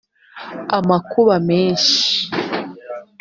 amakuba menshi